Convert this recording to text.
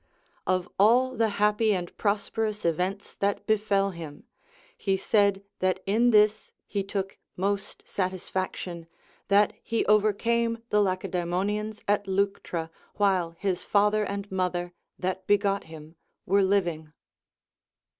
Of all the happy and prosperous events that befell him, he said that in this he took most satisfaction, that he over came the Lacedaemonians at Leuctra while his father and mother, that begot him, Avere living.